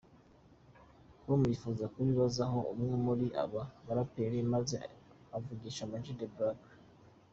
com yifuza kubibazaho umwe muri aba baraperi maze avugisha Amag The Black.